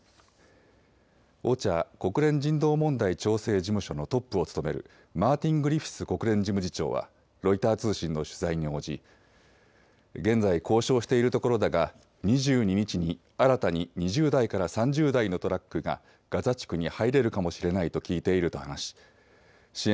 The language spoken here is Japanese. ＯＣＨＡ・国連人道問題調整事務所のトップを務めるマーティン・グリフィス国連事務次長はロイター通信の取材に応じ現在、交渉しているところだが２２日に新たに２０台から３０台のトラックがガザ地区に入れるかもしれないと聞いていると話し支援